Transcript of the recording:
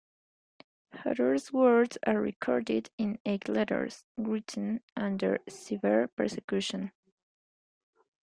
Hutter's words are recorded in eight letters, written under severe persecution.